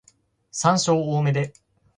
山椒多めで